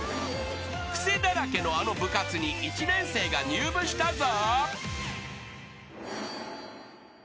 ［クセだらけのあの部活に１年生が入部したぞ］